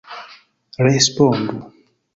Respondu!